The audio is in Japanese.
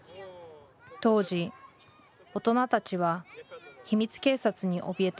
当時大人たちは秘密警察におびえていました